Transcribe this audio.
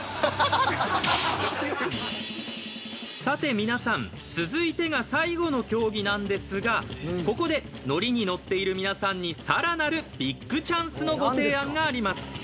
さて皆さん続いてが最後の競技なんですがここで乗りに乗っている皆さんに更なるビッグチャンスのご提案があります。